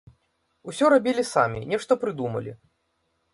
Усё рабілі самі, нешта прыдумалі.